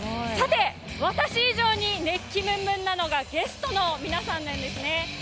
私以上に熱気むんむんなのはゲストの皆さんなんですね。